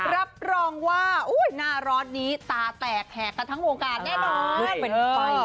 รับรองว่าหน้าร้อนนี้ตาแตกแหกกันทั้งวงการแน่นอน